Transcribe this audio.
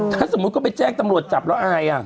ถ้าสมมุติก็ไปแจ้งตำรวจจับแล้วอาย